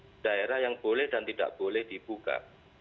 di daerah yang boleh dan tidak boleh dibuka